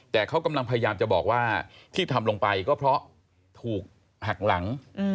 แต่เขากำลังพยายามจะบอกว่าที่ทำลงไปก็เพราะถูกหักหลัง